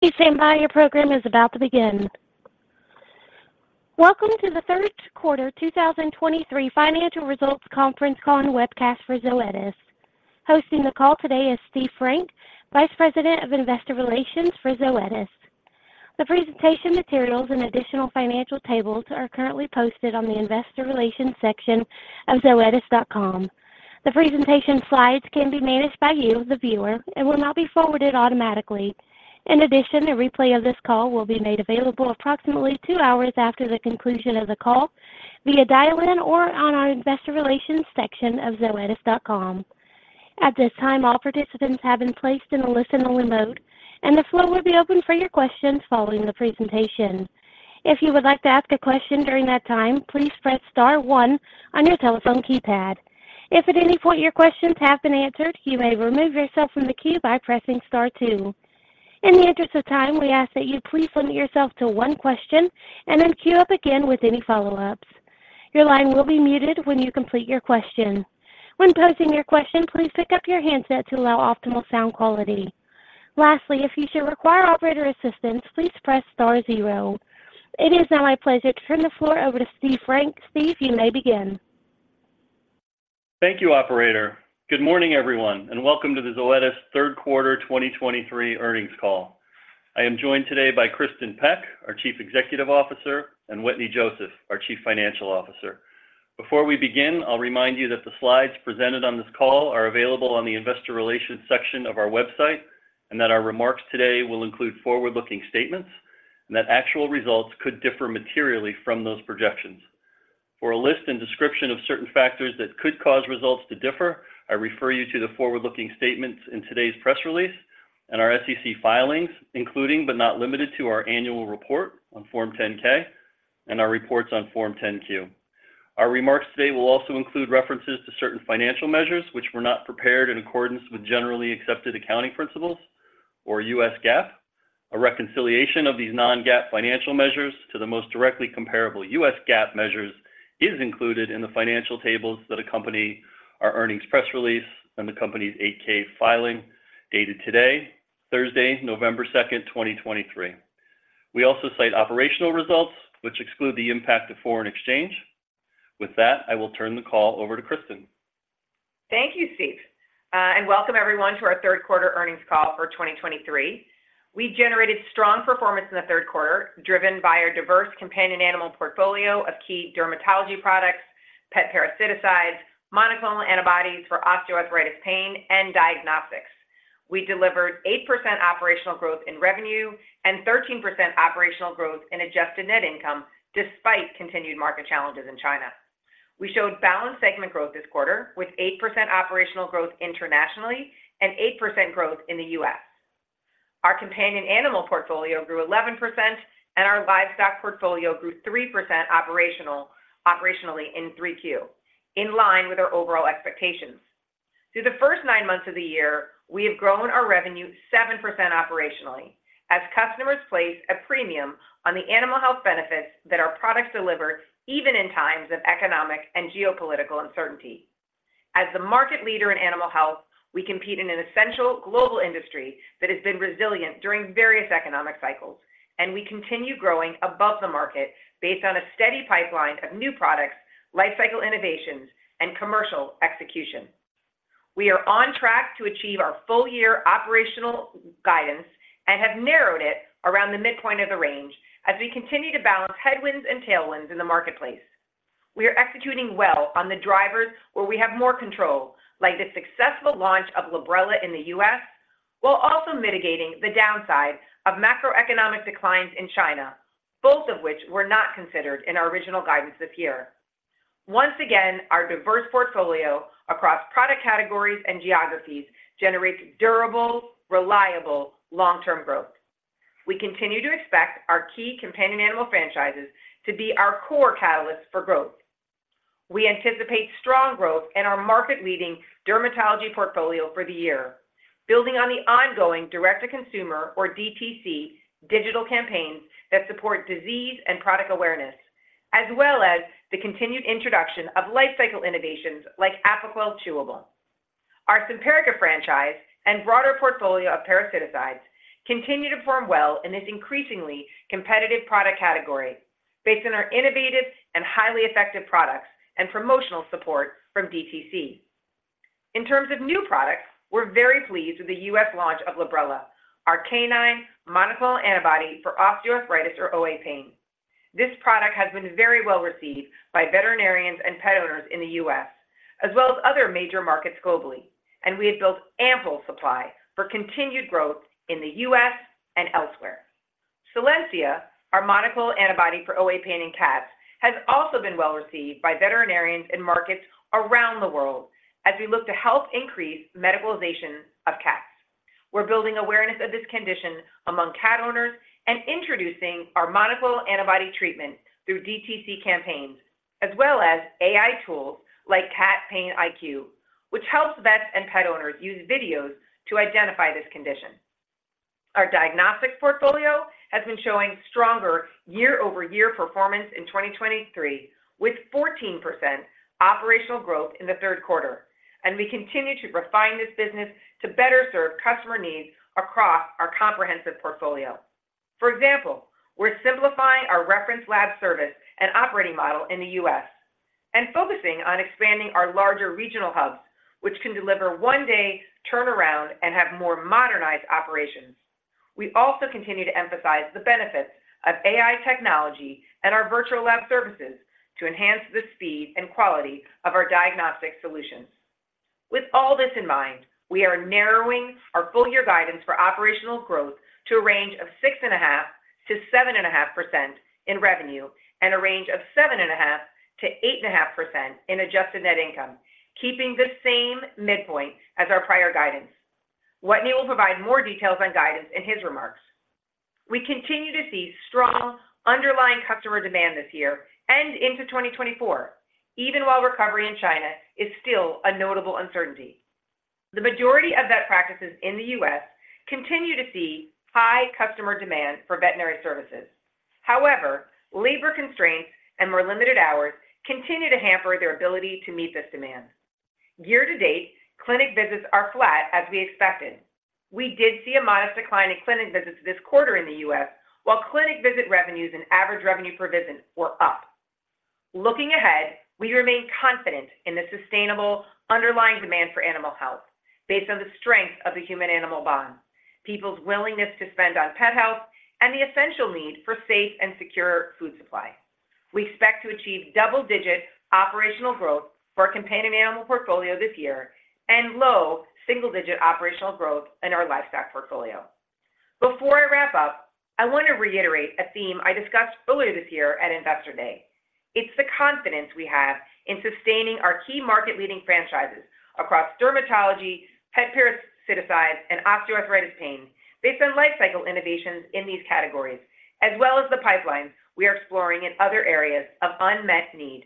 Please stand by. Your program is about to begin. Welcome to the Third Quarter 2023 Financial Results Conference Call and Webcast for Zoetis. Hosting the call today is Steve Frank, Vice President of Investor Relations for Zoetis. The presentation materials and additional financial tables are currently posted on the Investor Relations section of zoetis.com. The presentation slides can be managed by you, the viewer, and will not be forwarded automatically. In addition, a replay of this call will be made available approximately two hours after the conclusion of the call via dial-in or on our Investor Relations section of zoetis.com. At this time, all participants have been placed in a listen-only mode, and the floor will be open for your questions following the presentation. If you would like to ask a question during that time, please press star one on your telephone keypad. If at any point your questions have been answered, you may remove yourself from the queue by pressing star two. In the interest of time, we ask that you please limit yourself to one question and then queue up again with any follow-ups. Your line will be muted when you complete your question. When posing your question, please pick up your handset to allow optimal sound quality. Lastly, if you should require operator assistance, please press star zero. It is now my pleasure to turn the floor over to Steve Frank. Steve, you may begin. Thank you, operator. Good morning, everyone, and welcome to the Zoetis Third Quarter 2023 Earnings Call. I am joined today by Kristin Peck, our Chief Executive Officer, and Wetteny Joseph, our Chief Financial Officer. Before we begin, I'll remind you that the slides presented on this call are available on the Investor Relations section of our website, and that our remarks today will include forward-looking statements and that actual results could differ materially from those projections. For a list and description of certain factors that could cause results to differ, I refer you to the forward-looking statements in today's press release and our SEC filings, including but not limited to our annual report on Form 10-K and our reports on Form 10-Q. Our remarks today will also include references to certain financial measures, which were not prepared in accordance with generally accepted accounting principles or US GAAP. A reconciliation of these non-GAAP financial measures to the most directly comparable US GAAP measures is included in the financial tables that accompany our earnings press release and the company's 8-K filing, dated today, Thursday, November 2, 2023. We also cite operational results, which exclude the impact of foreign exchange. With that, I will turn the call over to Kristin. Thank you, Steve, and welcome everyone to our Third Quarter Earnings Call for 2023. We generated strong performance in the third quarter, driven by our diverse companion animal portfolio of key dermatology products, pet parasiticides, monoclonal antibodies for osteoarthritis pain, and diagnostics. We delivered 8% operational growth in revenue and 13% operational growth in adjusted net income, despite continued market challenges in China. We showed balanced segment growth this quarter, with 8% operational growth internationally and 8% growth in the U.S. Our companion animal portfolio grew 11%, and our livestock portfolio grew 3% operationally in 3Q, in line with our overall expectations. Through the first nine months of the year, we have grown our revenue 7% operationally, as customers place a premium on the animal health benefits that our products deliver, even in times of economic and geopolitical uncertainty. As the market leader in animal health, we compete in an essential global industry that has been resilient during various economic cycles, and we continue growing above the market based on a steady pipeline of new products, lifecycle innovations, and commercial execution. We are on track to achieve our full-year operational guidance and have narrowed it around the midpoint of the range as we continue to balance headwinds and tailwinds in the marketplace. We are executing well on the drivers where we have more control, like the successful launch of Librela in the U.S., while also mitigating the downsides of macroeconomic declines in China, both of which were not considered in our original guidance this year. Once again, our diverse portfolio across product categories and geographies generates durable, reliable, long-term growth. We continue to expect our key companion animal franchises to be our core catalyst for growth. We anticipate strong growth in our market-leading dermatology portfolio for the year, building on the ongoing direct-to-consumer, or DTC, digital campaigns that support disease and product awareness, as well as the continued introduction of lifecycle innovations like Apoquel Chewable. Our Simparica franchise and broader portfolio of parasiticides continue to perform well in this increasingly competitive product category based on our innovative and highly effective products and promotional support from DTC. In terms of new products, we're very pleased with the US launch of Librela, our canine monoclonal antibody for osteoarthritis or OA pain. This product has been very well-received by veterinarians and pet owners in the U.S., as well as other major markets globally, and we have built ample supply for continued growth in the U.S. and elsewhere. Solensia, our monoclonal antibody for OA pain in cats, has also been well-received by veterinarians in markets around the world as we look to help increase medicalization of cats. We're building awareness of this condition among cat owners and introducing our monoclonal antibody treatment through DTC campaigns, as well as AI tools like Cat Pain IQ, which helps vets and pet owners use videos to identify this condition. Our diagnostic portfolio has been showing stronger year-over-year performance in 2023, with 14% operational growth in the third quarter, and we continue to refine this business to better serve customer needs across our comprehensive portfolio. For example, we're simplifying our reference lab service and operating model in the U.S. and focusing on expanding our larger regional hubs, which can deliver one-day turnaround and have more modernized operations. We also continue to emphasize the benefits of AI technology and our virtual lab services to enhance the speed and quality of our diagnostic solutions. With all this in mind, we are narrowing our full year guidance for operational growth to a range of 6.5%-7.5% in revenue, and a range of 7.5%-8.5% in adjusted net income, keeping the same midpoint as our prior guidance. Wetteny will provide more details on guidance in his remarks. We continue to see strong underlying customer demand this year and into 2024, even while recovery in China is still a notable uncertainty. The majority of vet practices in the U.S. continue to see high customer demand for veterinary services. However, labor constraints and more limited hours continue to hamper their ability to meet this demand. Year to date, clinic visits are flat, as we expected. We did see a modest decline in clinic visits this quarter in the U.S., while clinic visit revenues and average revenue per visit were up. Looking ahead, we remain confident in the sustainable underlying demand for animal health based on the strength of the human-animal bond, people's willingness to spend on pet health, and the essential need for safe and secure food supply. We expect to achieve double-digit operational growth for our companion animal portfolio this year and low single-digit operational growth in our livestock portfolio. Before I wrap up, I want to reiterate a theme I discussed earlier this year at Investor Day. It's the confidence we have in sustaining our key market-leading franchises across dermatology, pet parasiticides, and osteoarthritis pain based on life cycle innovations in these categories, as well as the pipeline we are exploring in other areas of unmet need.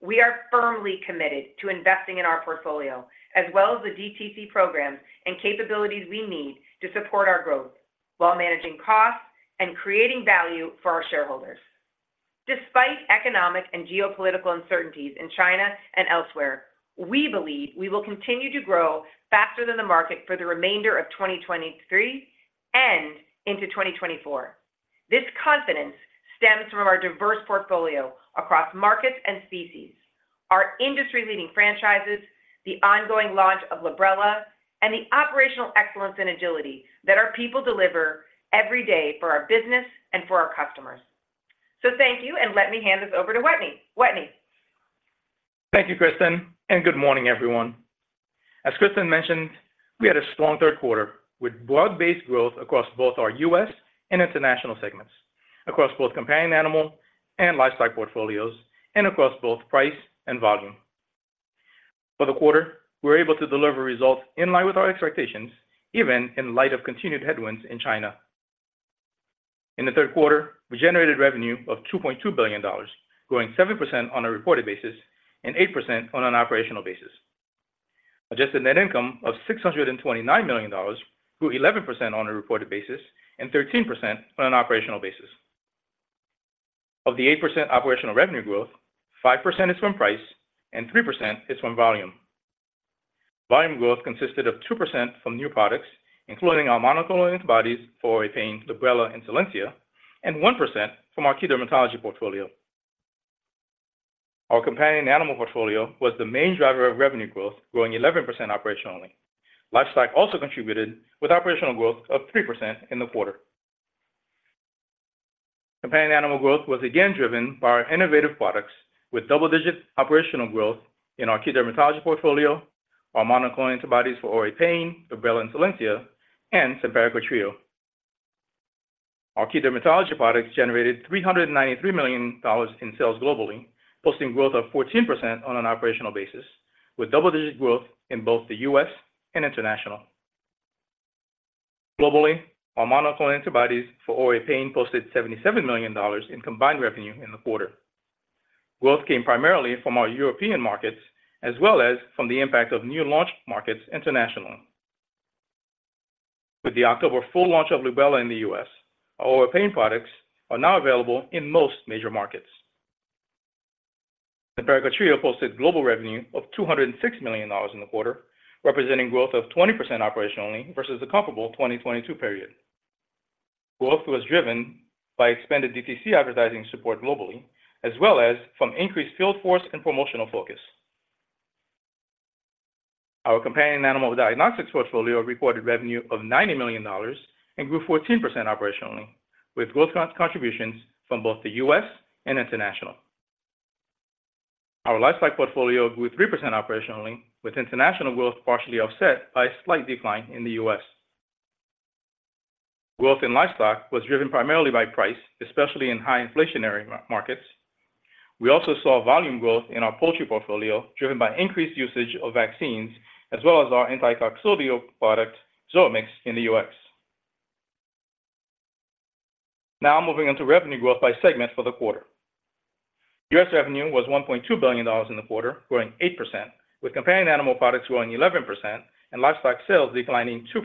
We are firmly committed to investing in our portfolio, as well as the DTC programs and capabilities we need to support our growth while managing costs and creating value for our shareholders. Despite economic and geopolitical uncertainties in China and elsewhere, we believe we will continue to grow faster than the market for the remainder of 2023 and into 2024. This confidence stems from our diverse portfolio across markets and species, our industry-leading franchises, the ongoing launch of Librela, and the operational excellence and agility that our people deliver every day for our business and for our customers. Thank you, and let me hand this over to Wetteny. Wetteny? Thank you, Kristin, and good morning, everyone. As Kristin mentioned, we had a strong third quarter with broad-based growth across both our US and International segments, across both companion animal and livestock portfolios, and across both price and volume. For the quarter, we were able to deliver results in line with our expectations, even in light of continued headwinds in China. In the third quarter, we generated revenue of $2.2 billion, growing 7% on a reported basis and 8% on an operational basis. Adjusted net income of $629 million grew 11% on a reported basis and 13% on an operational basis. Of the 8% operational revenue growth, 5% is from price and 3% is from volume. Volume growth consisted of 2% from new products, including our monoclonal antibodies for pain, Librela and Solensia, and 1% from our key dermatology portfolio. Our companion animal portfolio was the main driver of revenue growth, growing 11% operationally. Livestock also contributed with operational growth of 3% in the quarter. Companion animal growth was again driven by our innovative products with double-digit operational growth in our key dermatology portfolio, our monoclonal antibodies for OA pain, Librela and Solensia, and Simparica Trio. Our key dermatology products generated $393 million in sales globally, posting growth of 14% on an operational basis, with double-digit growth in both the U.S. and International. Globally, our monoclonal antibodies for OA pain posted $77 million in combined revenue in the quarter. Growth came primarily from our European markets, as well as from the impact of new launch markets internationally. With the October full launch of Librela in the U.S., our OA pain products are now available in most major markets. Simparica Trio posted global revenue of $206 million in the quarter, representing growth of 20% operationally versus the comparable 2022 period. Growth was driven by expanded DTC advertising support globally, as well as from increased field force and promotional focus. Our companion animal diagnostics portfolio recorded revenue of $90 million and grew 14% operationally, with growth contributions from both the U.S. and International. Our livestock portfolio grew 3% operationally, with international growth partially offset by a slight decline in the US Growth in livestock was driven primarily by price, especially in high inflationary markets. We also saw volume growth in our poultry portfolio, driven by increased usage of vaccines as well as our anticoccidial product, Zoamix, in the U.S. Now, moving on to revenue growth by segment for the quarter. US revenue was $1.2 billion in the quarter, growing 8%, with companion animal products growing 11% and livestock sales declining 2%.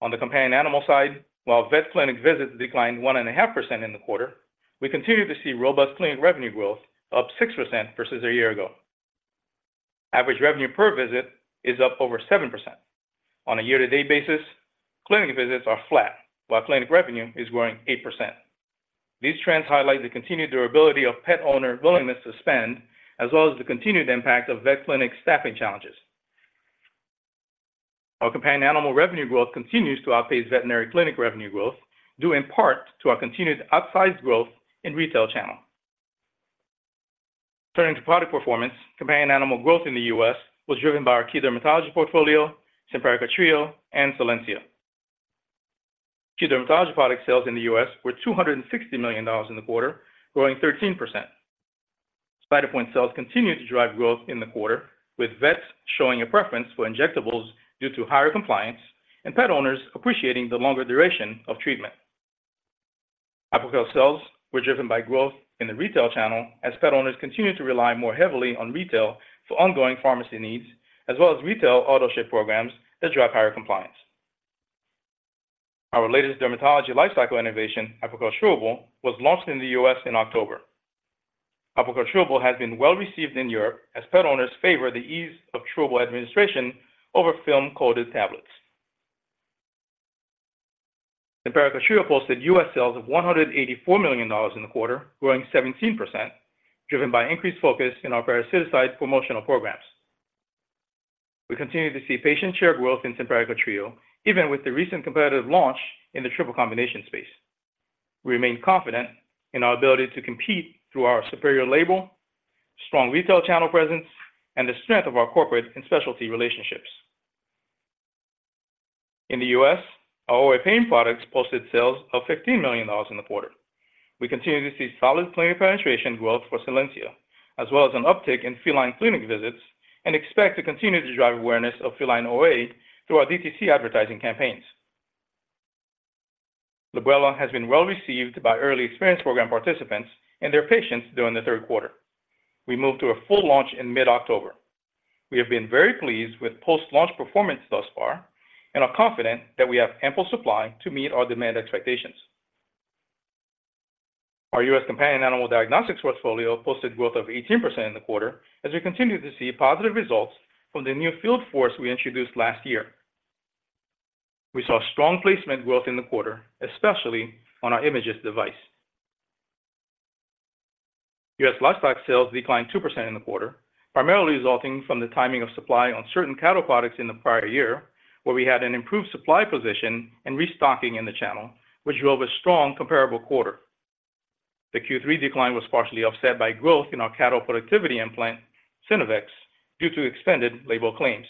On the companion animal side, while vet clinic visits declined 1.5% in the quarter, we continue to see robust clinic revenue growth, up 6% versus a year ago. Average revenue per visit is up over 7%. On a year-to-date basis, clinic visits are flat, while clinic revenue is growing 8%. These trends highlight the continued durability of pet owner willingness to spend, as well as the continued impact of vet clinic staffing challenges. Our companion animal revenue growth continues to outpace veterinary clinic revenue growth, due in part to our continued outsized growth in retail channel. Turning to product performance, companion animal growth in the U.S. was driven by our key dermatology portfolio, Simparica Trio, and Solensia. Key dermatology product sales in the U.S. were $260 million in the quarter, growing 13%. Cytopoint sales continued to drive growth in the quarter, with vets showing a preference for injectables due to higher compliance and pet owners appreciating the longer duration of treatment. Apoquel sales were driven by growth in the retail channel as pet owners continued to rely more heavily on retail for ongoing pharmacy needs, as well as retail autoship programs that drive higher compliance. Our latest dermatology lifecycle innovation, Apoquel Chewable, was launched in the U.S. in October. Apoquel Chewable has been well-received in Europe as pet owners favor the ease of chewable administration over film-coated tablets. Simparica Trio posted US sales of $184 million in the quarter, growing 17%, driven by increased focus in our parasiticide promotional programs. We continue to see patient share growth in Simparica Trio, even with the recent competitive launch in the triple combination space. We remain confident in our ability to compete through our superior label, strong retail channel presence, and the strength of our corporate and specialty relationships. In the U.S., our OA pain products posted sales of $15 million in the quarter. We continue to see solid clinic penetration growth for Solensia, as well as an uptick in feline clinic visits, and expect to continue to drive awareness of feline OA through our DTC advertising campaigns. Librela has been well-received by early experience program participants and their patients during the third quarter. We moved to a full launch in mid-October. We have been very pleased with post-launch performance thus far and are confident that we have ample supply to meet our demand expectations. Our US companion animal diagnostics portfolio posted growth of 18% in the quarter as we continue to see positive results from the new field force we introduced last year. We saw strong placement growth in the quarter, especially on our Imagyst device. US livestock sales declined 2% in the quarter, primarily resulting from the timing of supply on certain cattle products in the prior year, where we had an improved supply position and restocking in the channel, which drove a strong comparable quarter. The Q3 decline was partially offset by growth in our cattle productivity implant, Synovex, due to expanded label claims.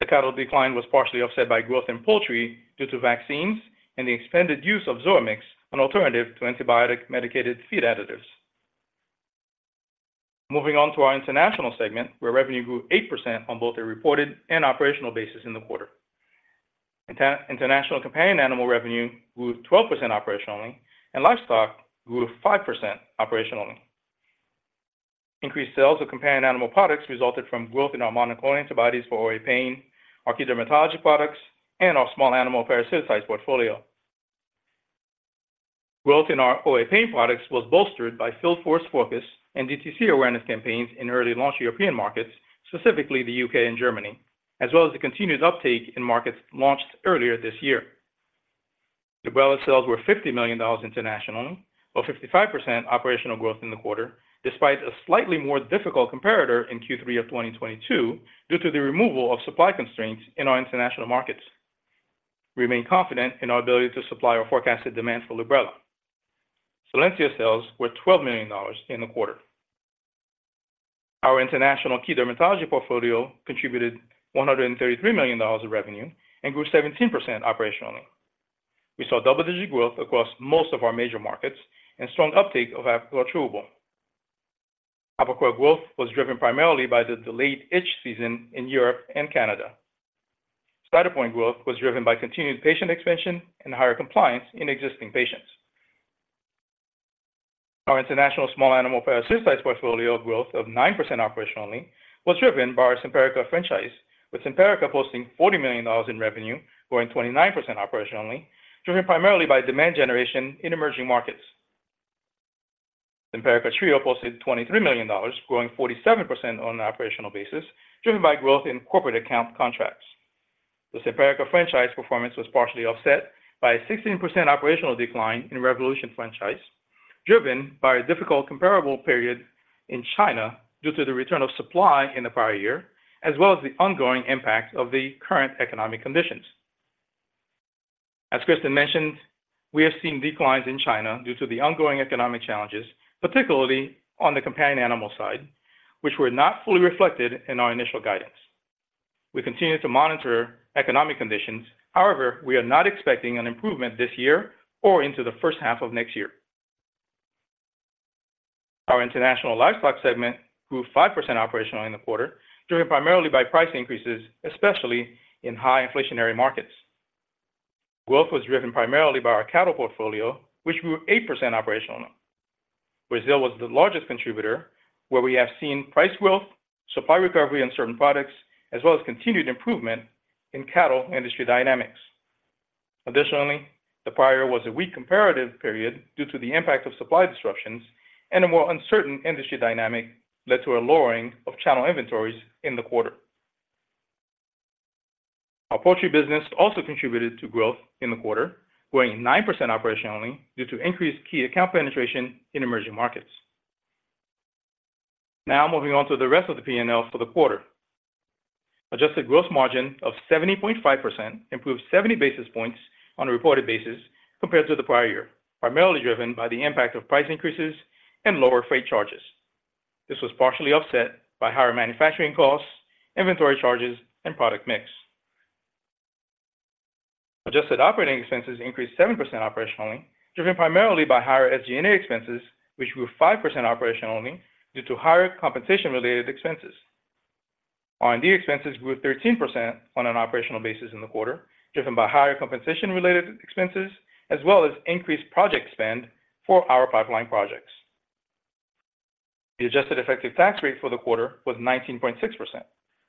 The cattle decline was partially offset by growth in poultry due to vaccines and the expanded use of Zoamix, an alternative to antibiotic-medicated feed additives. Moving on to our international segment, where revenue grew 8% on both a reported and operational basis in the quarter. International companion animal revenue grew 12% operationally, and livestock grew 5% operationally. Increased sales of companion animal products resulted from growth in our monoclonal antibodies for OA pain, our key dermatology products, and our small animal parasiticides portfolio. Growth in our OA pain products was bolstered by field force focus and DTC awareness campaigns in early launch European markets, specifically the U.K. and Germany, as well as the continued uptake in markets launched earlier this year. Librela sales were $50 million Internationally, or 55% operational growth in the quarter, despite a slightly more difficult comparator in Q3 of 2022 due to the removal of supply constraints in our International markets. We remain confident in our ability to supply our forecasted demand for Librela. Solensia sales were $12 million in the quarter. Our International key dermatology portfolio contributed $133 million of revenue and grew 17% operationally. We saw double-digit growth across most of our major markets and strong uptake of Apoquel Chewable. Apoquel growth was driven primarily by the delayed itch season in Europe and Canada. Cytopoint growth was driven by continued patient expansion and higher compliance in existing patients. Our International small animal parasiticides portfolio growth of 9% operationally was driven by our Simparica franchise, with Simparica posting $40 million in revenue, growing 29% operationally, driven primarily by demand generation in emerging markets. Simparica Trio posted $23 million, growing 47% on an operational basis, driven by growth in corporate account contracts. The Simparica franchise performance was partially offset by a 16% operational decline in Revolution franchise, driven by a difficult comparable period in China due to the return of supply in the prior year, as well as the ongoing impact of the current economic conditions. As Kristin mentioned, we have seen declines in China due to the ongoing economic challenges, particularly on the companion animal side, which were not fully reflected in our initial guidance. We continue to monitor economic conditions. However, we are not expecting an improvement this year or into the first half of next year. Our International livestock segment grew 5% operationally in the quarter, driven primarily by price increases, especially in high inflationary markets. Growth was driven primarily by our cattle portfolio, which grew 8% operationally. Brazil was the largest contributor, where we have seen price growth, supply recovery in certain products, as well as continued improvement in cattle industry dynamics. Additionally, the prior year was a weak comparative period due to the impact of supply disruptions, and a more uncertain industry dynamic led to a lowering of channel inventories in the quarter. Our poultry business also contributed to growth in the quarter, growing 9% operationally due to increased key account penetration in emerging markets. Now moving on to the rest of the P&L for the quarter. Adjusted gross margin of 70.5% improved 70 basis points on a reported basis compared to the prior year, primarily driven by the impact of price increases and lower freight charges. This was partially offset by higher manufacturing costs, inventory charges, and product mix. Adjusted operating expenses increased 7% operationally, driven primarily by higher SG&A expenses, which were 5% operationally due to higher compensation-related expenses. R&D expenses grew 13% on an operational basis in the quarter, driven by higher compensation-related expenses, as well as increased project spend for our pipeline projects. The adjusted effective tax rate for the quarter was 19.6%,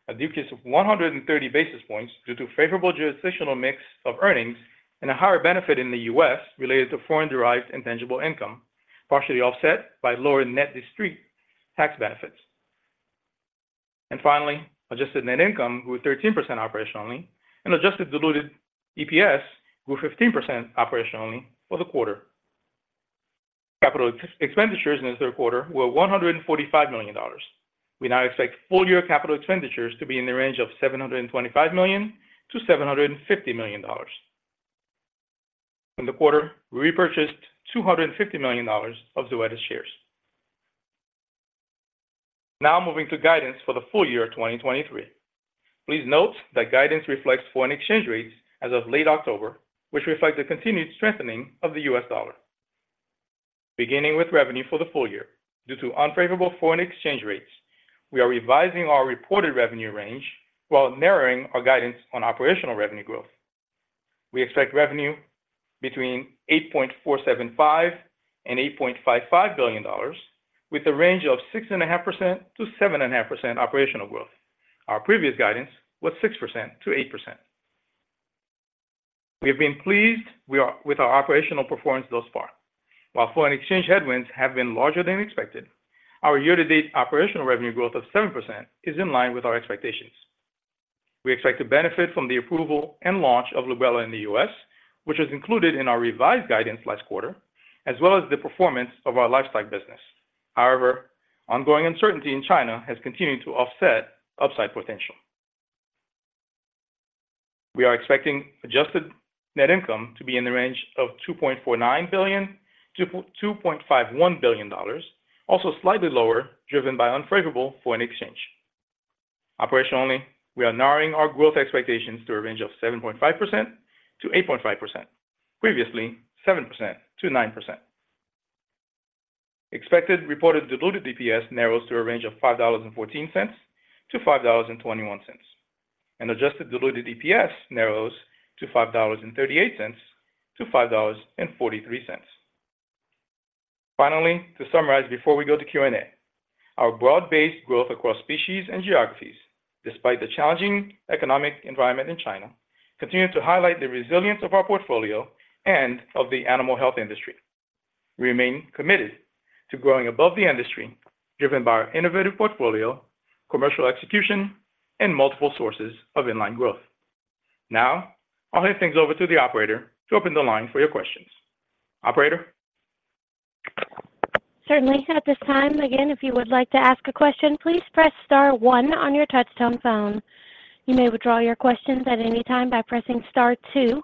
a decrease of 130 basis points due to favorable jurisdictional mix of earnings and a higher benefit in the US related to foreign-derived intangible income, partially offset by lower net discrete tax benefits. And finally, adjusted net income grew 13% operationally, and adjusted diluted EPS grew 15% operationally for the quarter. Capital expenditures in the third quarter were $145 million. We now expect full-year capital expenditures to be in the range of $725 million-$750 million. In the quarter, we repurchased $250 million of Zoetis shares. Now moving to guidance for the full year 2023. Please note that guidance reflects foreign exchange rates as of late October, which reflect the continued strengthening of the US dollar. Beginning with revenue for the full year, due to unfavorable foreign exchange rates, we are revising our reported revenue range while narrowing our guidance on operational revenue growth. We expect revenue between $8.475 billion and $8.55 billion, with a range of 6.5%-7.5% operational growth. Our previous guidance was 6%-8%. We have been pleased with our operational performance thus far. While foreign exchange headwinds have been larger than expected, our year-to-date operational revenue growth of 7% is in line with our expectations. We expect to benefit from the approval and launch of Librela in the U.S., which was included in our revised guidance last quarter, as well as the performance of our lifestyle business. However, ongoing uncertainty in China has continued to offset upside potential. We are expecting adjusted net income to be in the range of $2.49 billion-$2.51 billion, also slightly lower, driven by unfavorable foreign exchange. Operationally, we are narrowing our growth expectations to a range of 7.5%-8.5%, previously 7%-9%. Expected reported diluted EPS narrows to a range of $5.14-$5.21, and adjusted diluted EPS narrows to $5.38-$5.43. Finally, to summarize, before we go to Q&A, our broad-based growth across species and geographies, despite the challenging economic environment in China, continue to highlight the resilience of our portfolio and of the animal health industry. We remain committed to growing above the industry, driven by our innovative portfolio, commercial execution, and multiple sources of in-line growth. Now, I'll hand things over to the operator to open the line for your questions. Operator? Certainly. At this time, again, if you would like to ask a question, please press star one on your touchtone phone. You may withdraw your questions at any time by pressing star two.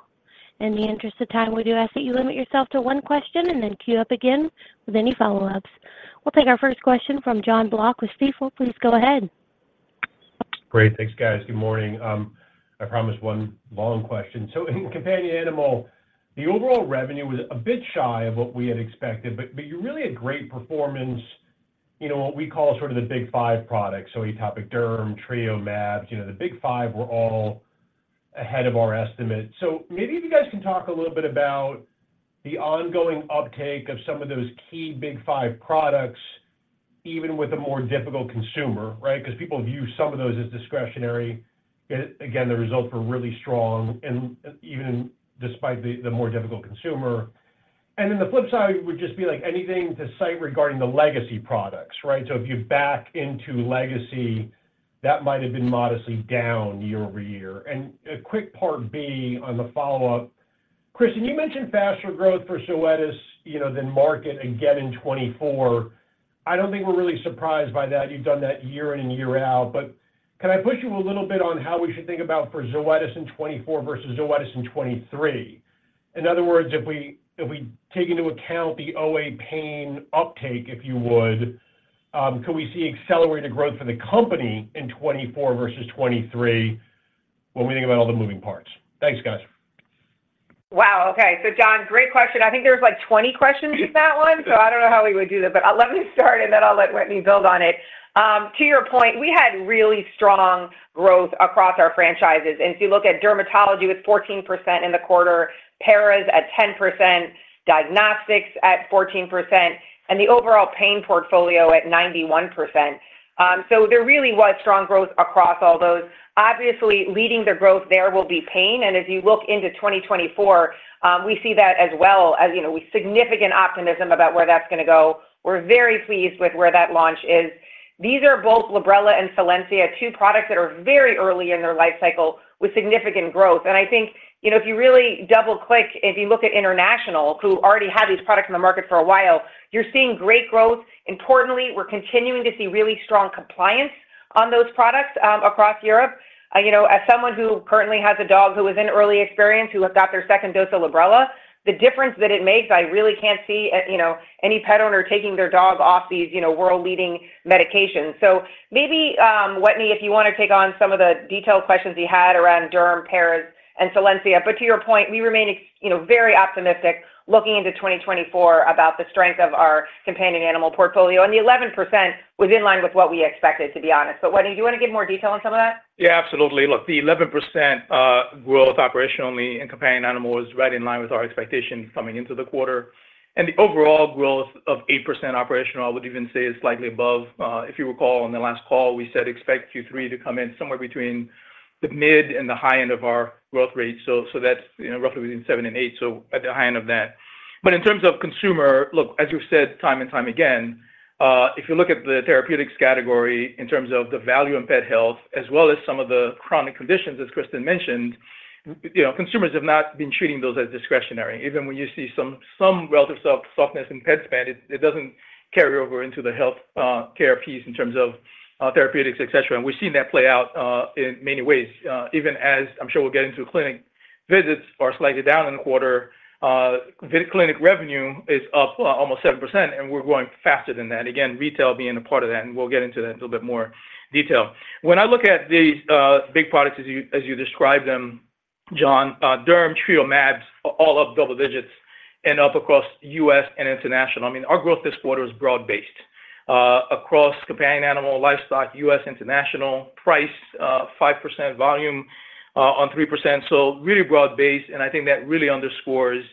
In the interest of time, we do ask that you limit yourself to one question and then queue up again with any follow-ups. We'll take our first question from Jon Block with Stifel. Please go ahead. Great. Thanks, guys. Good morning. I promised one long question. So in companion animal, the overall revenue was a bit shy of what we had expected, but you really [had] a great performance, you know, what we call sort of the big five products. So atopic derm, Trio, MAbs, you know, the big five were all ahead of our estimate. So maybe if you guys can talk a little bit about the ongoing uptake of some of those key big five products, even with a more difficult consumer, right? Because people view some of those as discretionary. Again, the results were really strong and even despite the more difficult consumer. And then the flip side would just be like anything to cite regarding the legacy products, right? So if you back into legacy, that might have been modestly down year-over-year.A quick part B on the follow-up, Kristin, you mentioned faster growth for Zoetis, you know, than market again in 2024. I don't think we're really surprised by that. You've done that year in and year out, but can I push you a little bit on how we should think about for Zoetis in 2024 versus Zoetis in 2023? In other words, if we, if we take into account the OA pain uptake, if you would, could we see accelerated growth for the company in 2024 versus 2023 when we think about all the moving parts? Thanks, guys. Wow, okay. So Jon, great question. I think there was like 20 questions in that one, so I don't know how we would do that. But let me start, and then I'll let Wetteny build on it. To your point, we had really strong growth across our franchises. And if you look at dermatology, it was 14% in the quarter, paras at 10%, diagnostics at 14%, and the overall pain portfolio at 91%. So there really was strong growth across all those. Obviously, leading the growth there will be pain, and as you look into 2024, we see that as well as, you know, with significant optimism about where that's gonna go. We're very pleased with where that launch is. These are both Librela and Solensia, two products that are very early in their life cycle with significant growth.I think, you know, if you really double-click, if you look at international, who already had these products in the market for a while, you're seeing great growth. Importantly, we're continuing to see really strong compliance on those products across Europe. You know, as someone who currently has a dog who is in early experience, who has got their second dose of Librela, the difference that it makes, I really can't see any pet owner taking their dog off these world-leading medications. So maybe, Wetteny, if you wanna take on some of the detailed questions he had around Derm, Paras, and Solensia. But to your point, we remain very optimistic looking into 2024 about the strength of our companion animal portfolio. The 11% was in line with what we expected, to be honest. Wetteny, do you wanna give more detail on some of that? Yeah, absolutely. Look, the 11% growth operationally in companion animal is right in line with our expectations coming into the quarter. And the overall growth of 8% operational, I would even say, is slightly above. If you recall on the last call, we said, expect Q3 to come in somewhere between the mid and the high end of our growth rate. So, so that's, you know, roughly between 7%-8%, so at the high end of that. But in terms of consumer, look, as we've said, time and time again, if you look at the therapeutics category in terms of the value in pet health, as well as some of the chronic conditions, as Kristin mentioned, you know, consumers have not been treating those as discretionary. Even when you see some relative softness in pet spend, it doesn't carry over into the health care piece in terms of therapeutics, et cetera. And we've seen that play out in many ways, even as I'm sure we'll get into, clinic visits are slightly down in the quarter, vet clinic revenue is up almost 7%, and we're growing faster than that. Again, retail being a part of that, and we'll get into that in a little bit more detail. When I look at the big products as you described them, John, Derm, Trio, MAbs, all up double digits and up across U.S. and International. I mean, our growth this quarter is broad-based across companion animal, livestock, US, International, price 5%, volume on 3%. So really broad-based, and I think that really underscores,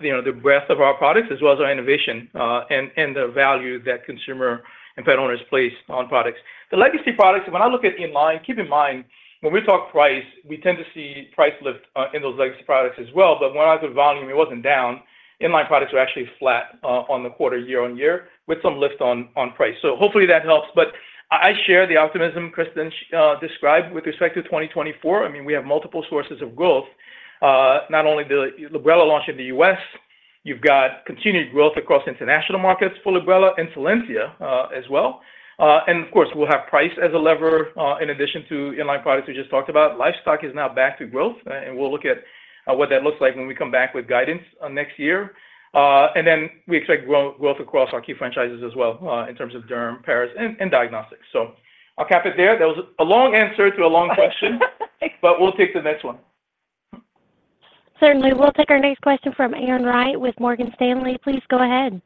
you know, the breadth of our products as well as our innovation, and the value that consumer and pet owners place on products. The legacy products, when I look at in-line, keep in mind, when we talk price, we tend to see price lift, in those legacy products as well. But when I look at volume, it wasn't down. In-line products were actually flat, on the quarter year-over-year with some lift on price. So hopefully that helps. But I share the optimism Kristin described with respect to 2024. I mean, we have multiple sources of growth, not only the Librela launch in the U.S., you've got continued growth across international markets for Librela and Solensia, as well. And of course, we'll have price as a lever, in addition to in-line products we just talked about. Livestock is now back to growth, and we'll look at what that looks like when we come back with guidance on next year. And then we expect growth across our key franchises as well, in terms of Derm, Paras, and Diagnostics. So I'll cap it there. That was a long answer to a long question, but we'll take the next one. Certainly. We'll take our next question from Erin Wright with Morgan Stanley. Please go ahead.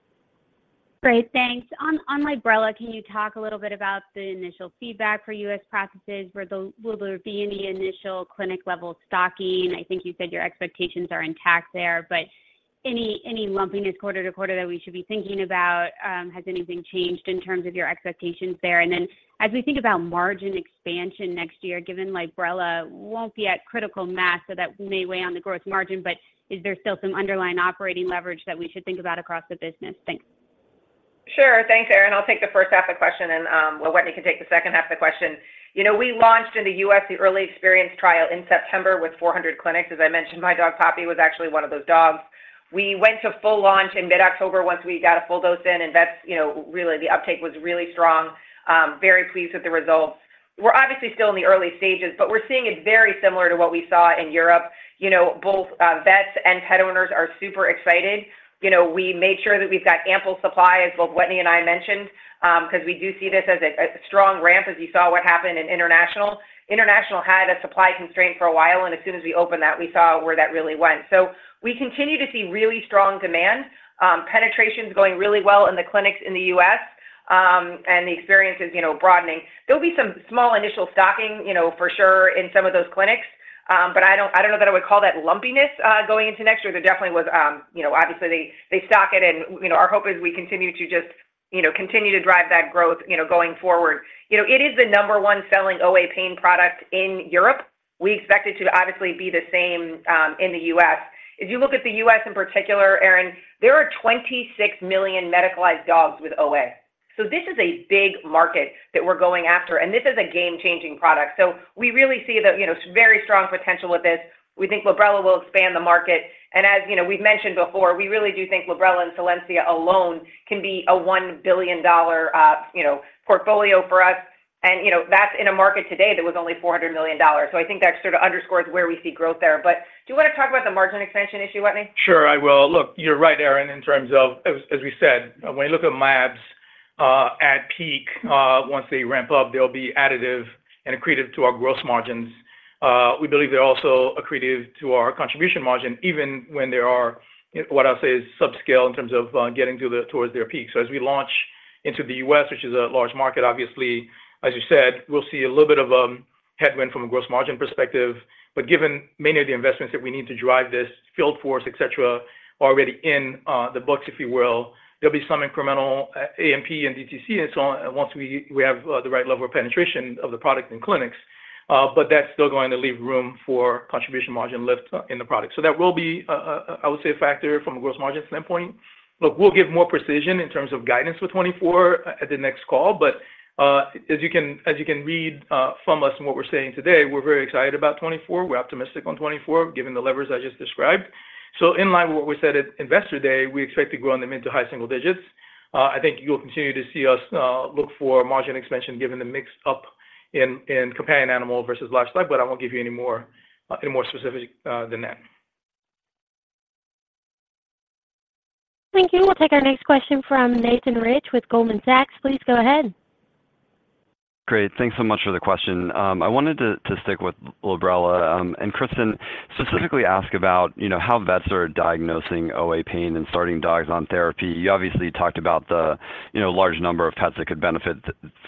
Great, thanks. On Librela, can you talk a little bit about the initial feedback for US practices? Where the... Will there be any initial clinic-level stocking? I think you said your expectations are intact there, but any lumpiness quarter to quarter that we should be thinking about? Has anything changed in terms of your expectations there? And then, as we think about margin expansion next year, given Librela won't be at critical mass, so that may weigh on the growth margin, but is there still some underlying operating leverage that we should think about across the business? Thanks. Sure. Thanks, Erin. I'll take the first half of the question, and, well, Wetteny can take the second half of the question. You know, we launched in the U.S., the early experience trial in September with 400 clinics. As I mentioned, my dog, Poppy, was actually one of those dogs. We went to full launch in mid-October once we got a full dose in, and vets, you know, really, the uptake was really strong. Very pleased with the results. We're obviously still in the early stages, but we're seeing it very similar to what we saw in Europe. You know, both, vets and pet owners are super excited. You know, we made sure that we've got ample supply, as both Wetteny and I mentioned, 'cause we do see this as a, a strong ramp, as you saw what happened in international. International had a supply constraint for a while, and as soon as we opened that, we saw where that really went. So we continue to see really strong demand. Penetration is going really well in the clinics in the U.S., and the experience is, you know, broadening. There'll be some small initial stocking, you know, for sure, in some of those clinics, but I don't, I don't know that I would call that lumpiness going into next year. There definitely was, you know, obviously, they, they stock it, and, you know, our hope is we continue to just, you know, continue to drive that growth, you know, going forward. You know, it is the number one selling OA pain product in Europe. We expect it to obviously be the same in the U.S. If you look at the U.S. in particular, Erin, there are 26 million medicalized dogs with OA. So this is a big market that we're going after, and this is a game-changing product. So we really see the, you know, very strong potential with this. We think Librela will expand the market, and as, you know, we've mentioned before, we really do think Librela and Solensia alone can be a $1 billion, you know, portfolio for us. And, you know, that's in a market today that was only $400 million. So I think that sort of underscores where we see growth there. But do you wanna talk about the margin expansion issue, Wetteny? Sure, I will. Look, you're right, Erin, in terms of, as we said, when you look at peak, once they ramp up, they'll be additive and accretive to our gross margins. We believe they're also accretive to our contribution margin, even when there are, what I'll say, is subscale in terms of, getting towards their peak. So as we launch into the U.S., which is a large market, obviously, as you said, we'll see a little bit of headwind from a gross margin perspective. But given many of the investments that we need to drive this field force, et cetera, already in the books, if you will, there'll be some incremental AMP and DTC and so on, once we have the right level of penetration of the product in clinics. But that's still going to leave room for contribution margin lift in the product. So that will be, I would say, a factor from a gross margin standpoint. Look, we'll give more precision in terms of guidance for 2024 at the next call, but as you can read from us and what we're saying today, we're very excited about 2024. We're optimistic on 2024, given the levers I just described. So in line with what we said at Investor Day, we expect to grow on them into high single digits. I think you'll continue to see us look for margin expansion, given the mix in companion animal versus livestock, but I won't give you any more specific than that. Thank you. We'll take our next question from Nathan Rich with Goldman Sachs. Please go ahead. Great. Thanks so much for the question. I wanted to stick with Librela and Kristin, specifically ask about, you know, how vets are diagnosing OA pain and starting dogs on therapy. You obviously talked about the, you know, large number of pets that could benefit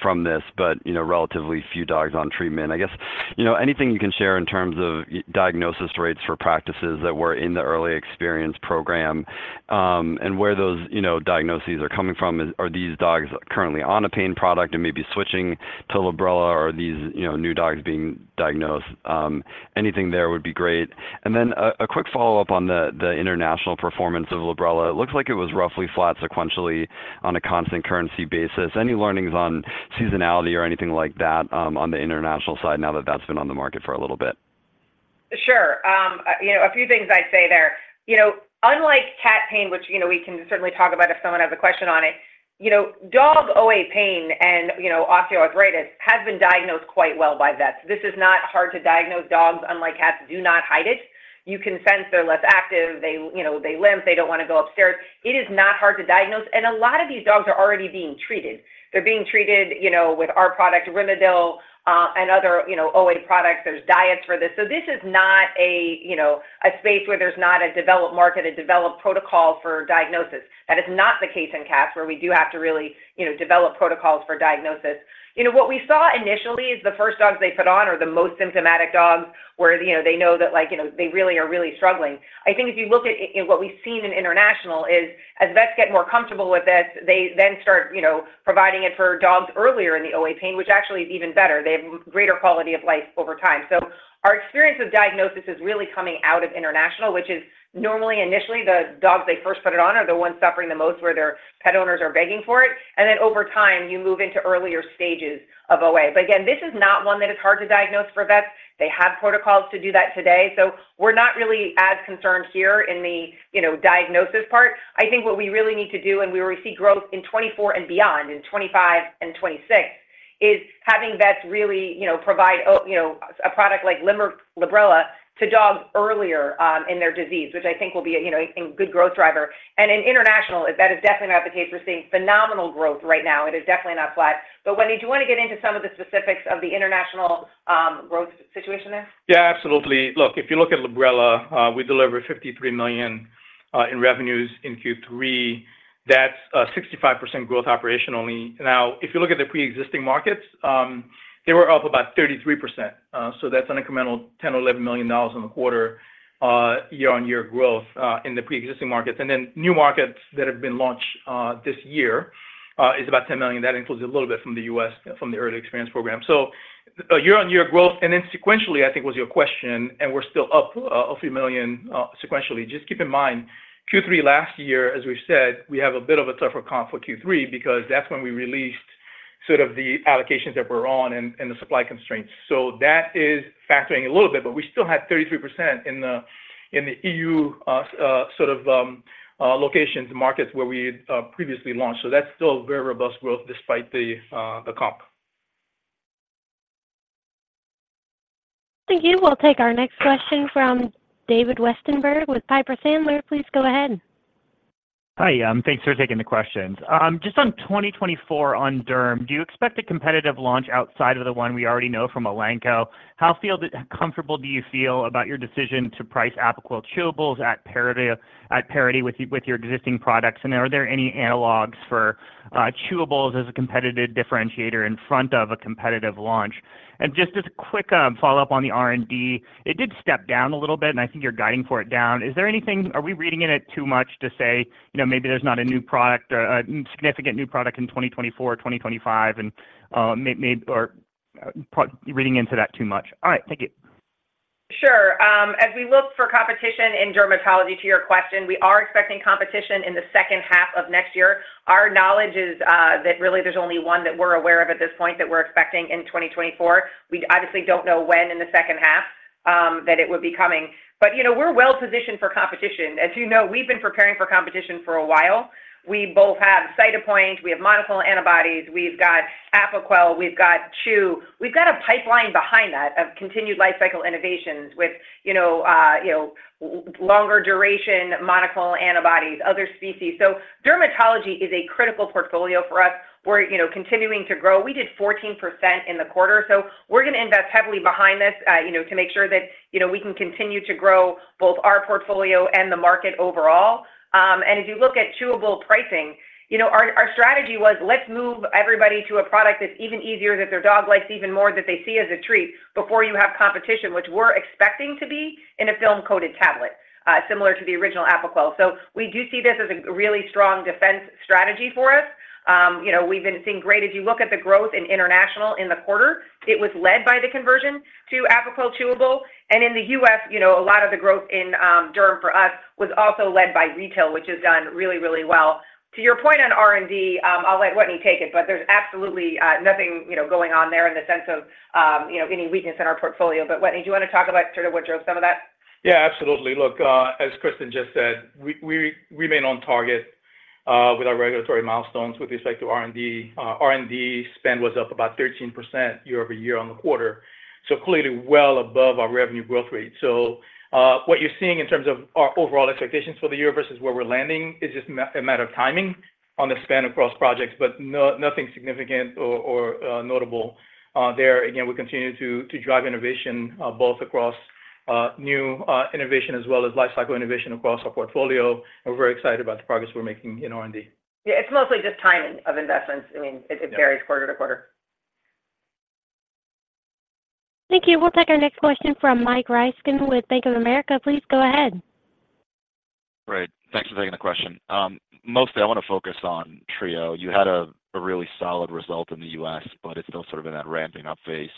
from this, but, you know, relatively few dogs on treatment. I guess, you know, anything you can share in terms of diagnosis rates for practices that were in the Early Experience Program, and where those, you know, diagnoses are coming from? Are these dogs currently on a pain product and maybe switching to Librela, or are these, you know, new dogs being diagnosed? Anything there would be great. And then, a quick follow-up on the international performance of Librela. It looks like it was roughly flat sequentially on a constant currency basis. Any learnings on seasonality or anything like that, on the international side, now that that's been on the market for a little bit? Sure. You know, a few things I'd say there. You know, unlike cat pain, which, you know, we can certainly talk about if someone has a question on it, you know, dog OA pain and, you know, osteoarthritis has been diagnosed quite well by vets. This is not hard to diagnose. Dogs, unlike cats, do not hide it. You can sense they're less active, they, you know, they limp, they don't want to go upstairs. It is not hard to diagnose, and a lot of these dogs are already being treated. They're being treated, you know, with our product, Rimadyl, and other, you know, OA products. There's diets for this. So this is not a, you know, a space where there's not a developed market, a developed protocol for diagnosis. That is not the case in cats, where we do have to really, you know, develop protocols for diagnosis. You know, what we saw initially is the first dogs they put on are the most symptomatic dogs, where, you know, they know that, like, you know, they really are really struggling. I think if you look at, at what we've seen in international is, as vets get more comfortable with this, they then start, you know, providing it for dogs earlier in the OA pain, which actually is even better. They have greater quality of life over time. So our experience with diagnosis is really coming out of international, which is normally, initially, the dogs they first put it on are the ones suffering the most, where their pet owners are begging for it. And then over time, you move into earlier stages of OA. But again, this is not one that is hard to diagnose for vets. They have protocols to do that today, so we're not really as concerned here in the, you know, diagnosis part. I think what we really need to do, and where we see growth in 2024 and beyond, in 2025 and 2026, is having vets really, you know, provide you know, a product like Librela to dogs earlier in their disease, which I think will be a, you know, a good growth driver. And in International, that is definitely not the case. We're seeing phenomenal growth right now. It is definitely not flat. But Wetteny, do you want to get into some of the specifics of the International growth situation there? Yeah, absolutely. Look, if you look at Librela, we delivered $53 million in revenues in Q3. That's a 65% growth operationally. Now, if you look at the pre-existing markets, they were up about 33%. So that's an incremental $10 million-$11 million on the quarter, year-on-year growth, in the pre-existing markets. And then new markets that have been launched this year is about $10 million. That includes a little bit from the U.S., from the Early Experience Program. So a year-on-year growth, and then sequentially, I think was your question, and we're still up a few million, sequentially. Just keep in mind, Q3 last year, as we said, we have a bit of a tougher comp for Q3 because that's when we released sort of the allocations that were on and the supply constraints. So that is factoring a little bit, but we still had 33% in the EU, sort of, locations, markets where we had previously launched. So that's still very robust growth despite the comp. Thank you. We'll take our next question from David Westenberg with Piper Sandler. Please go ahead. Hi, thanks for taking the questions. Just on 2024 on Derm, do you expect a competitive launch outside of the one we already know from Elanco? How comfortable do you feel about your decision to price Apoquel Chewables at parity, at parity with your, with your existing products? And are there any analogs for chewables as a competitive differentiator in front of a competitive launch? And just as a quick follow-up on the R&D, it did step down a little bit, and I think you're guiding for it down. Is there anything - are we reading in it too much to say, you know, maybe there's not a new product, or a significant new product in 2024 or 2025, and or reading into that too much? All right. Thank you. Sure. As we look for competition in dermatology, to your question, we are expecting competition in the second half of next year. Our knowledge is, that really there's only one that we're aware of at this point that we're expecting in 2024. We obviously don't know when in the second half... that it would be coming. But, you know, we're well positioned for competition. As you know, we've been preparing for competition for a while. We both have Cytopoint, we have monoclonal antibodies, we've got Apoquel, we've got Chewable. We've got a pipeline behind that of continued lifecycle innovations with, you know, you know, longer duration, monoclonal antibodies, other species. So dermatology is a critical portfolio for us. We're, you know, continuing to grow. We did 14% in the quarter, so we're going to invest heavily behind this, you know, to make sure that, you know, we can continue to grow both our portfolio and the market overall. If you look at chewable pricing, you know, our, our strategy was, let's move everybody to a product that's even easier, that their dog likes even more, that they see as a treat before you have competition, which we're expecting to be in a film-coated tablet, similar to the original Apoquel. So we do see this as a really strong defense strategy for us. You know, we've been seeing great. If you look at the growth in international in the quarter, it was led by the conversion to Apoquel Chewable. In the U.S., you know, a lot of the growth in derm for us was also led by retail, which has done really, really well. To your point on R&D, I'll let Wetteny take it, but there's absolutely nothing, you know, going on there in the sense of any weakness in our portfolio. But Wetteny, do you want to talk about sort of what drove some of that? Yeah, absolutely. Look, as Kristin just said, we remain on target with our regulatory milestones with respect to R&D. R&D spend was up about 13% year-over-year on the quarter, so clearly well above our revenue growth rate. So, what you're seeing in terms of our overall expectations for the year versus where we're landing is just a matter of timing on the spend across projects, but nothing significant or notable there. Again, we continue to drive innovation both across new innovation as well as lifecycle innovation across our portfolio. We're very excited about the progress we're making in R&D. Yeah, it's mostly just timing of investments. I mean, it varies quarter to quarter. Thank you. We'll take our next question from Mike Ryskin with Bank of America. Please go ahead. Great. Thanks for taking the question. Mostly I want to focus on Trio. You had a really solid result in the U.S., but it's still sort of in that ramping up phase.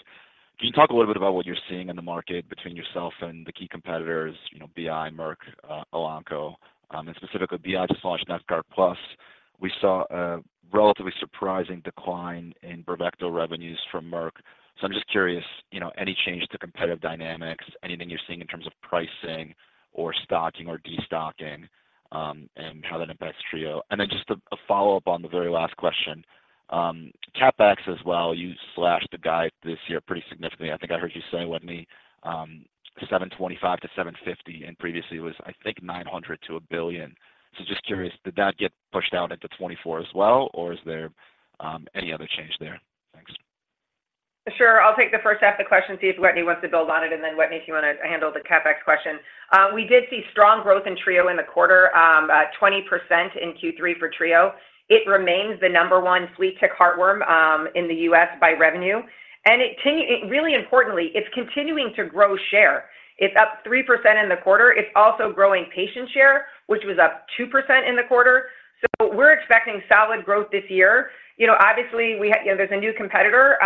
Can you talk a little bit about what you're seeing in the market between yourself and the key competitors, you know, BI, Merck, Elanco, and specifically BI/NexGard Plus? We saw a relatively surprising decline in Bravecto revenues from Merck, so I'm just curious, you know, any change to competitive dynamics, anything you're seeing in terms of pricing or stocking or destocking, and how that impacts Trio? And then just a follow-up on the very last question, CapEx as well. You slashed the guide this year pretty significantly. I think I heard you say, Wetteny, $725 million-$750 million, and previously it was, I think, $900 million-$1 billion. Just curious, did that get pushed out into 2024 as well, or is there any other change there? Thanks. Sure. I'll take the first half of the question, see if Wetteny wants to build on it, and then, Wetteny, if you want to handle the CapEx question. We did see strong growth in Trio in the quarter, 20% in Q3 for Trio. It remains the number one flea tick heartworm in the U.S. by revenue, and it really importantly, it's continuing to grow share. It's up 3% in the quarter. It's also growing patient share, which was up 2% in the quarter. So we're expecting solid growth this year. You know, obviously, we have-- there's a new competitor,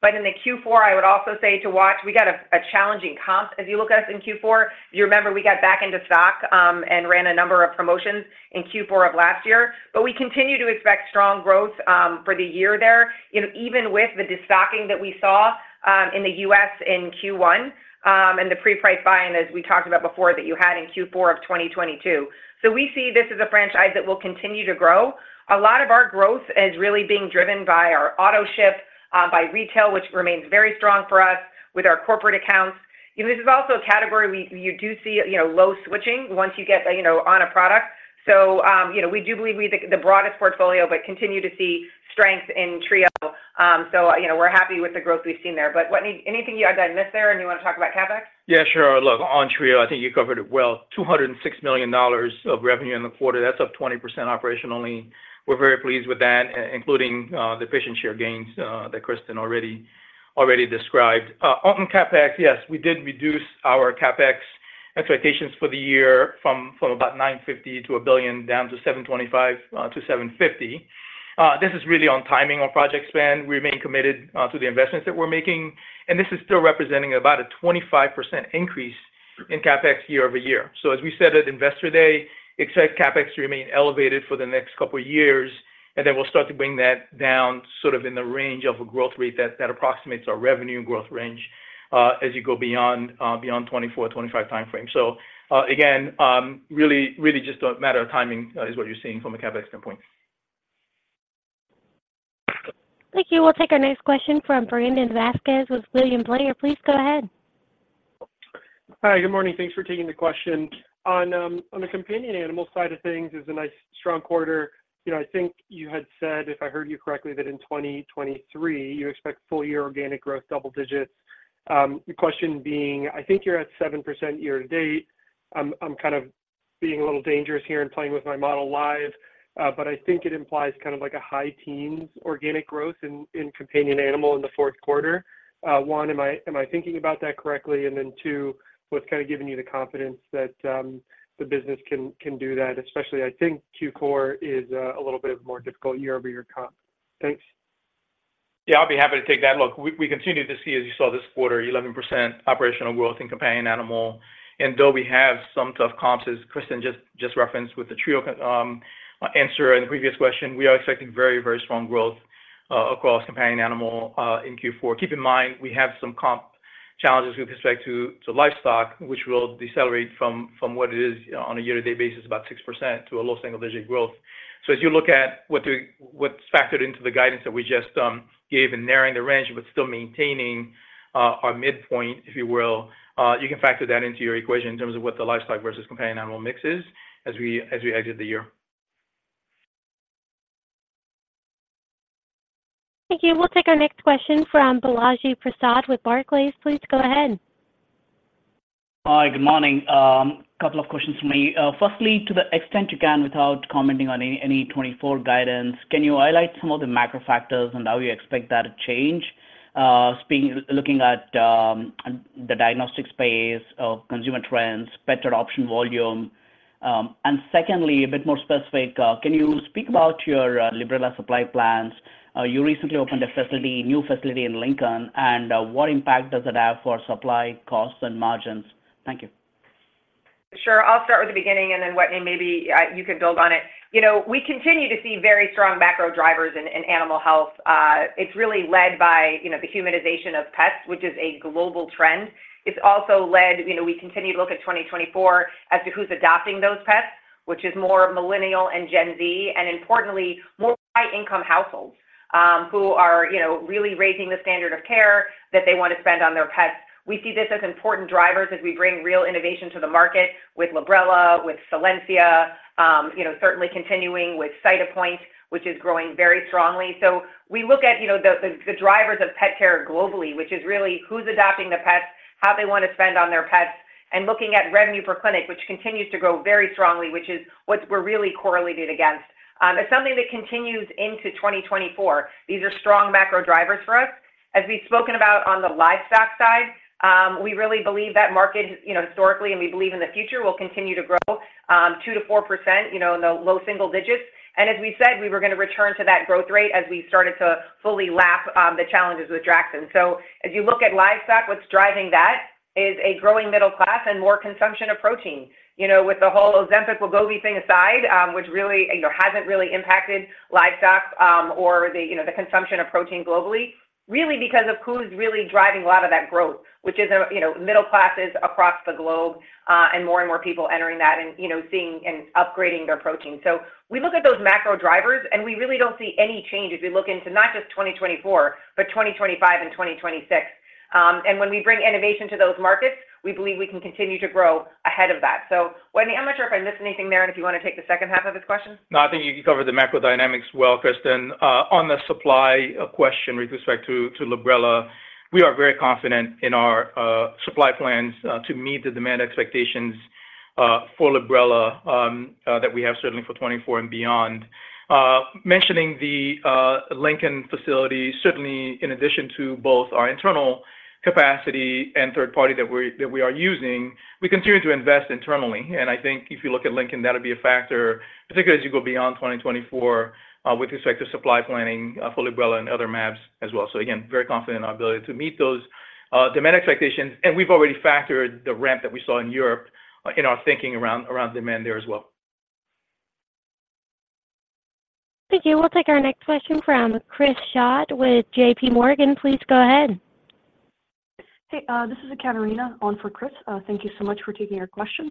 but in the Q4, I would also say to watch, we got a challenging comp. As you look at us in Q4, you remember we got back into stock, and ran a number of promotions in Q4 of last year. But we continue to expect strong growth for the year there, you know, even with the destocking that we saw in the U.S. in Q1, and the pre-price buying, as we talked about before, that you had in Q4 of 2022. So we see this as a franchise that will continue to grow. A lot of our growth is really being driven by our Autoship by retail, which remains very strong for us with our corporate accounts. You know, this is also a category you do see, you know, low switching once you get, you know, on a product. So, you know, we do believe we have the broadest portfolio, but continue to see strength in Trio. So, you know, we're happy with the growth we've seen there. But Wetteny, anything you guys missed there, and you want to talk about CapEx? Yeah, sure. Look, on Trio, I think you covered it well. $206 million of revenue in the quarter, that's up 20% operationally. We're very pleased with that, including the patient share gains that Kristin already described. On CapEx, yes, we did reduce our CapEx expectations for the year from about $950 million-$1 billion, down to $725 million-$750 million. This is really on timing on project spend. We remain committed to the investments that we're making, and this is still representing about a 25% increase in CapEx year-over-year. So as we said at Investor Day, expect CapEx to remain elevated for the next couple of years, and then we'll start to bring that down sort of in the range of a growth rate that approximates our revenue growth range, as you go beyond 2024, 2025 timeframe. So, again, really, really just a matter of timing, is what you're seeing from a CapEx standpoint. Thank you. We'll take our next question from Brandon Vazquez with William Blair. Please go ahead. Hi, good morning. Thanks for taking the question. On the companion animal side of things is a nice strong quarter. You know, I think you had said, if I heard you correctly, that in 2023 you expect full year organic growth, double digits. The question being, I think you're at 7% year to date. I'm kind of being a little dangerous here and playing with my model live, but I think it implies kind of like a high teens organic growth in companion animal in the fourth quarter. One, am I thinking about that correctly? And then two, what's kind of giving you the confidence that the business can do that? Especially, I think Q4 is a little bit more difficult year-over-year comp. Thanks. Yeah, I'll be happy to take that. Look, we continue to see, as you saw this quarter, 11% operational growth in companion animal. And though we have some tough comps, as Kristin just referenced with the Trio answer in the previous question, we are expecting very, very strong growth across companion animal in Q4. Keep in mind, we have some comp challenges with respect to livestock, which will decelerate from what it is on a year-to-date basis, about 6% to a low single-digit growth. So as you look at what's factored into the guidance that we just gave in narrowing the range, but still maintaining our midpoint, if you will, you can factor that into your equation in terms of what the livestock versus companion animal mix is as we exit the year. Thank you. We'll take our next question from Balaji Prasad with Barclays. Please go ahead. Hi, good morning. Couple of questions from me. Firstly, to the extent you can without commenting on any 2024 guidance, can you highlight some of the macro factors and how you expect that to change, speaking of looking at the diagnostic space of consumer trends, better option volume? And secondly, a bit more specific, can you speak about your Librela supply plans? You recently opened a facility, new facility in Lincoln, and what impact does it have for supply costs and margins? Thank you. Sure. I'll start with the beginning, and then, Wetteny, maybe you can build on it. You know, we continue to see very strong macro drivers in animal health. It's really led by, you know, the humanization of pets, which is a global trend. It's also led. You know, we continue to look at 2024 as to who's adopting those pets, which is more Millennial and Gen Z, and importantly, more high-income households, who are, you know, really raising the standard of care that they want to spend on their pets. We see this as important drivers as we bring real innovation to the market with Librela, with Solensia, you know, certainly continuing with Cytopoint, which is growing very strongly. So we look at, you know, the drivers of pet care globally, which is really who's adopting the pets, how they want to spend on their pets, and looking at revenue per clinic, which continues to grow very strongly, which is what we're really correlated against. It's something that continues into 2024. These are strong macro drivers for us. As we've spoken about on the livestock side, we really believe that market, you know, historically, and we believe in the future, will continue to grow 2%-4%, you know, in the low single digits. And as we said, we were gonna return to that growth rate as we started to fully lap the challenges with Draxxin. So as you look at livestock, what's driving that is a growing middle class and more consumption of protein. You know, with the whole Ozempic, Wegovy thing aside, which really, you know, hasn't really impacted livestock, or the, you know, the consumption of protein globally, really because of who's really driving a lot of that growth, which is, you know, middle classes across the globe, and more and more people entering that and, you know, seeing and upgrading their protein. So we look at those macro drivers, and we really don't see any change as we look into not just 2024, but 2025 and 2026. And when we bring innovation to those markets, we believe we can continue to grow ahead of that. So Wetteny, I'm not sure if I missed anything there, and if you wanna take the second half of this question. No, I think you covered the macro dynamics well, Kristin. On the supply question with respect to Librela, we are very confident in our supply plans to meet the demand expectations for Librela that we have certainly for 2024 and beyond. Mentioning the Lincoln facility, certainly in addition to both our internal capacity and third party that we're using, we continue to invest internally. And I think if you look at Lincoln, that'll be a factor, particularly as you go beyond 2024, with respect to supply planning for Librela and other mAbs as well. So again, very confident in our ability to meet those demand expectations, and we've already factored the ramp that we saw in Europe in our thinking around demand there as well. Thank you. We'll take our next question from Chris Schott with JPMorgan. Please go ahead. Hey, this is Ekaterina on for Chris. Thank you so much for taking our questions.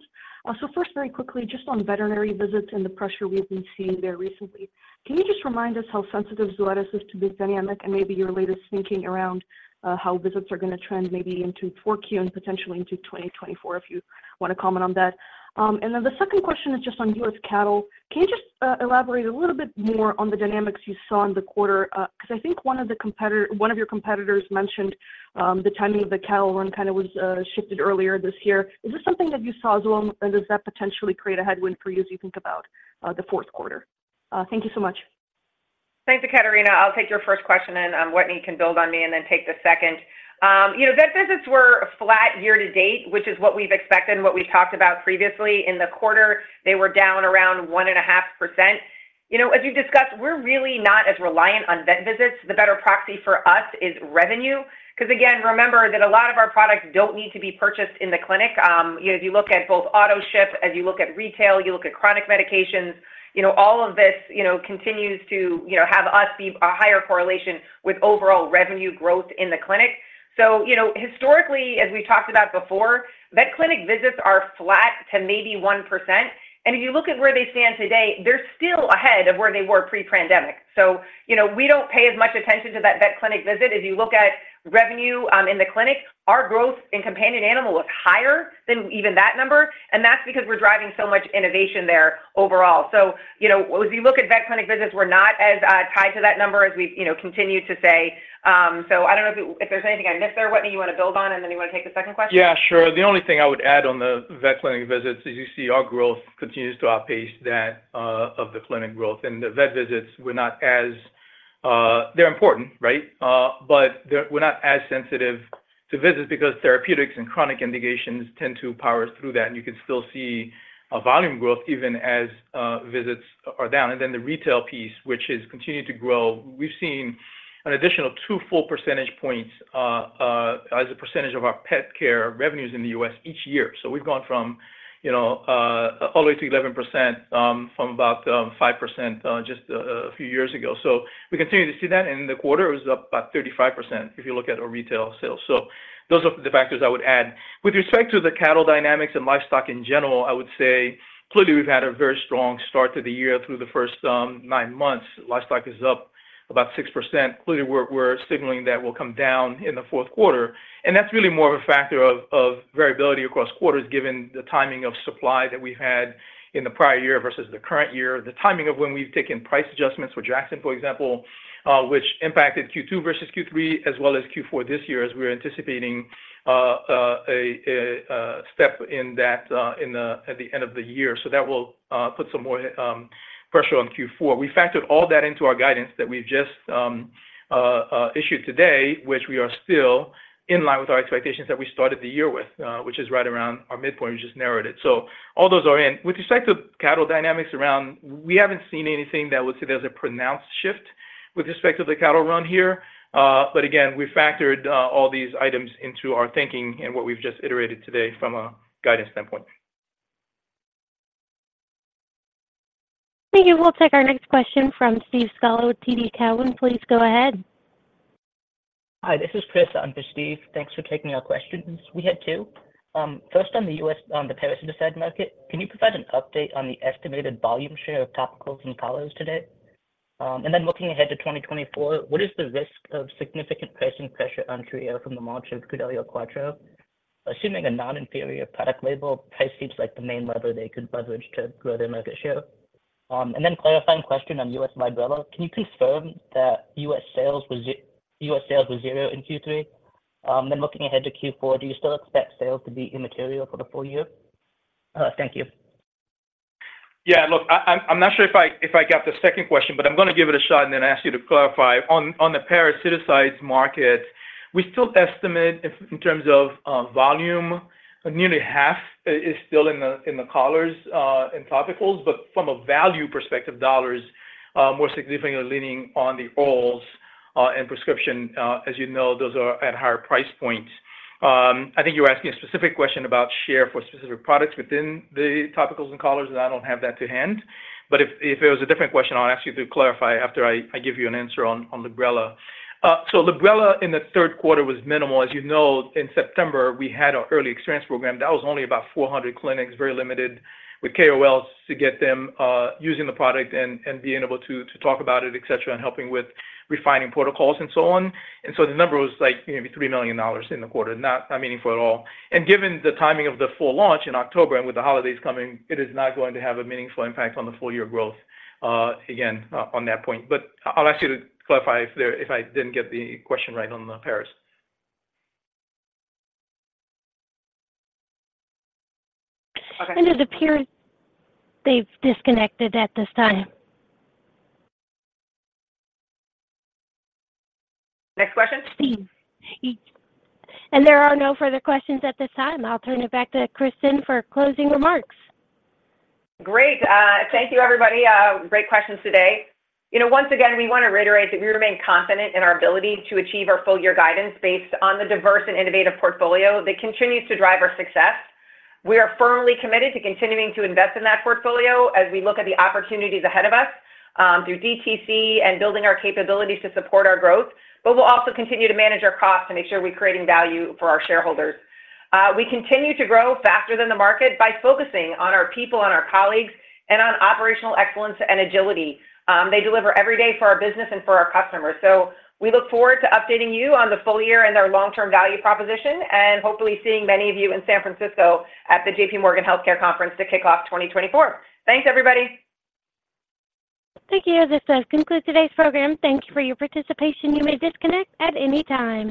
So first, very quickly, just on veterinary visits and the pressure we've been seeing there recently, can you just remind us how sensitive Zoetis is to this dynamic and maybe your latest thinking around how visits are gonna trend maybe into 4Q and potentially into 2024, if you want to comment on that? And then the second question is just on US cattle. Can you just elaborate a little bit more on the dynamics you saw in the quarter? Because I think one of your competitors mentioned the timing of the cattle run kinda was shifted earlier this year. Is this something that you saw as well, and does that potentially create a headwind for you as you think about the fourth quarter? Thank you so much. Thanks, Ekaterina. I'll take your first question, and Wetteny can build on me and then take the second. You know, vet visits were flat year to date, which is what we've expected and what we talked about previously. In the quarter, they were down around 1.5%. You know, as we've discussed, we're really not as reliant on vet visits. The better proxy for us is revenue, because, again, remember that a lot of our products don't need to be purchased in the clinic. You know, as you look at both Autoship, as you look at retail, you look at chronic medications, you know, all of this, you know, continues to, you know, have us see a higher correlation with overall revenue growth in the clinic. So, you know, historically, as we talked about before, vet clinic visits are flat to maybe 1%, and if you look at where they stand today, they're still ahead of where they were pre-pandemic. So, you know, we don't pay as much attention to that vet clinic visit. As you look at revenue in the clinic, our growth in companion animal was higher than even that number, and that's because we're driving so much innovation there overall. So, you know, as we look at vet clinic visits, we're not as tied to that number as we, you know, continue to say. So I don't know if, if there's anything I missed there. Wetteny, you wanna build on, and then you wanna take the second question? Yeah, sure. The only thing I would add on the vet clinic visits, as you see, our growth continues to outpace that of the clinic growth. And the vet visits were not as... They're important, right? But they were not as sensitive to visits because therapeutics and chronic indications tend to power through that, and you can still see a volume growth even as visits are down. And then the retail piece, which has continued to grow, we've seen an additional two full percentage points as a percentage of our pet care revenues in the U.S. each year. So we've gone from, you know, all the way to 11% from about 5% just a few years ago. So we continue to see that, and in the quarter, it was up about 35% if you look at our retail sales. So those are the factors I would add. With respect to the cattle dynamics and livestock in general, I would say clearly we've had a very strong start to the year through the first nine months. Livestock is up about 6%. Clearly, we're signaling that we'll come down in the fourth quarter, and that's really more of a factor of variability across quarters, given the timing of supply that we've had in the prior year versus the current year, the timing of when we've taken price adjustments for Draxxin, for example, which impacted Q2 versus Q3, as well as Q4 this year, as we are anticipating a step in that at the end of the year. So that will put some more pressure on Q4. We factored all that into our guidance that we've just issued today, which we are still in line with our expectations that we started the year with, which is right around our midpoint. We just narrowed it. So all those are in. With respect to cattle dynamics around, we haven't seen anything that would say there's a pronounced shift with respect to the cattle run here. But again, we factored all these items into our thinking and what we've just iterated today from a guidance standpoint. Thank you. We'll take our next question from Steve Scala with TD Cowen. Please go ahead. Hi, this is Chris in for Steve. Thanks for taking our questions. We had two. First, on the U.S., on the parasiticide market, can you provide an update on the estimated volume share of topicals and collars today? And then looking ahead to 2024, what is the risk of significant pricing pressure on Trio from the launch of Credelio Quattro? Assuming a non-inferior product label, price seems like the main lever they could leverage to grow their market share. And then clarifying question on US Librela.Can you confirm that US sales were zero in Q3? Then looking ahead to Q4, do you still expect sales to be immaterial for the full year? Thank you. Yeah, look, I'm not sure if I got the second question, but I'm gonna give it a shot and then ask you to clarify. On the parasiticides market, we still estimate in terms of volume, nearly half is still in the collars and topicals, but from a value perspective, dollars, more significantly leaning on the orals and prescription. As you know, those are at higher price points. I think you're asking a specific question about share for specific products within the topicals and collars, and I don't have that to hand. But if it was a different question, I'll ask you to clarify after I give you an answer on Librela. So Librela in the third quarter was minimal. As you know, in September, we had our early experience program. That was only about 400 clinics, very limited, with KOLs to get them using the product and being able to talk about it, et cetera, and helping with refining protocols and so on. And so the number was, like, maybe $3 million in the quarter. Not meaningful at all. And given the timing of the full launch in October and with the holidays coming, it is not going to have a meaningful impact on the full year growth, again, on that point. But I'll ask you to clarify if there, if I didn't get the question right on the paras. It appears they've disconnected at this time. Next question? Steve. There are no further questions at this time. I'll turn it back to Kristin for closing remarks. Great. Thank you, everybody. Great questions today. You know, once again, we want to reiterate that we remain confident in our ability to achieve our full year guidance based on the diverse and innovative portfolio that continues to drive our success. We are firmly committed to continuing to invest in that portfolio as we look at the opportunities ahead of us, through DTC and building our capabilities to support our growth. But we'll also continue to manage our costs to make sure we're creating value for our shareholders. We continue to grow faster than the market by focusing on our people, on our colleagues, and on operational excellence and agility. They deliver every day for our business and for our customers. We look forward to updating you on the full year and our long-term value proposition, and hopefully, seeing many of you in San Francisco at the JPMorgan Healthcare Conference to kick off 2024. Thanks, everybody. Thank you. This concludes today's program. Thank you for your participation. You may disconnect at any time.